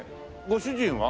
ご主人は？